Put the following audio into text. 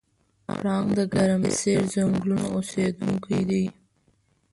پړانګ د ګرمسیر ځنګلونو اوسېدونکی دی.